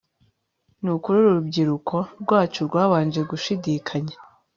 Nukuri urubyiruko rwacu rwabanje gushidikanya